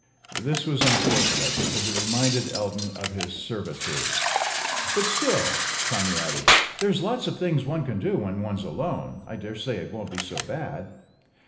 This was unfortunate, because it reminded Elton of his servitude. "But still," Tommy added, "there's lots of things one can do when one's alone. I dare say it won't be so bad."